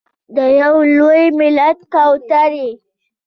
یو لوی ملت کوترې…